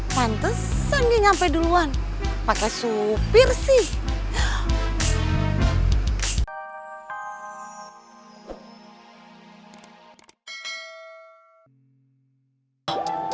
pantesan dia nyampe duluan pake supir sih